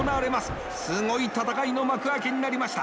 すごい戦いの幕開けになりました。